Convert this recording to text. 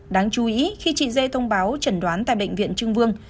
đáng chú ý khi chị zay thông báo trần đoán tại bệnh viện trương vương